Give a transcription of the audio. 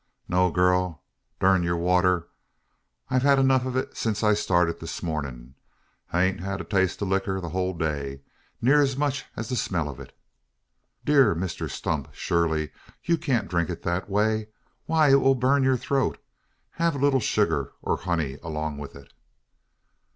"No, gurl. Durn yur water! I hev hed enuf o' thet since I started this mornin'. I hain't hed a taste o' licker the hul day ne'er as much as the smell o' it." "Dear Mr Stump! surely you can't drink it that way? Why, it will burn your throat! Have a little sugar, or honey, along with it?"